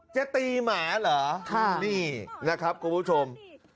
จะตีหมาเหรอนี่นะครับคุณผู้ชม